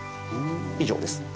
以上です。